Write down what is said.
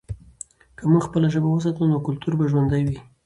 که موږ خپله ژبه وساتو، نو کلتور به ژوندی وي.